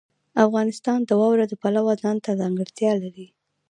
افغانستان د واوره د پلوه ځانته ځانګړتیا لري.